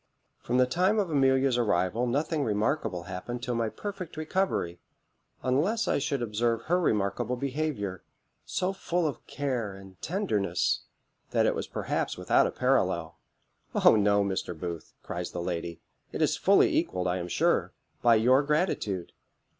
"From the time of Amelia's arrival nothing remarkable happened till my perfect recovery, unless I should observe her remarkable behaviour, so full of care and tenderness, that it was perhaps without a parallel." "O no, Mr. Booth," cries the lady; "it is fully equalled, I am sure, by your gratitude.